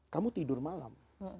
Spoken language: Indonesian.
kamu tidur malam